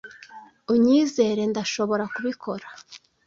Unyizere, ndashobora kubikora.